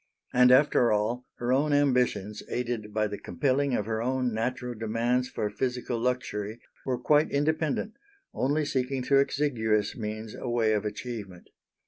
And after all, her own ambitions, aided by the compelling of her own natural demands for physical luxury, were quite independent, only seeking through exiguous means a way of achievement.